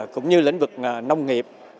cũng như lĩnh vực nông nghiệp